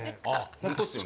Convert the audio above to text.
ホントっすよね